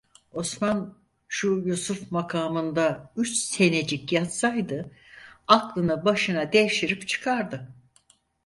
Osman şu Yusuf makamında üç senecik yatsaydı aklını başına devşirip çıkardı.